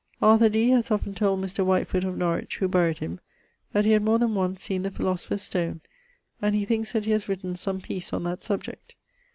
'has often told Mr. Whitefoot, of Norwich, who buried him, that he had more than once seen the philosopher's stone, and he thinks that he has written some peice on that subject.